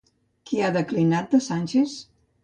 Què ha declinat de Sánchez?